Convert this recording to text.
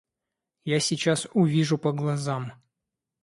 Я сейчас увижу по глазам.